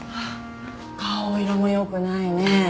顔色も良くないね。